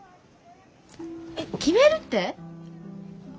えっ決めるって！？